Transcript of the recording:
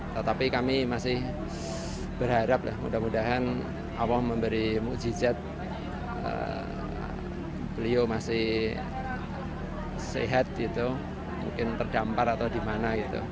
tetapi kami masih berharap lah mudah mudahan allah memberi mujizat beliau masih sehat gitu mungkin terdampar atau di mana gitu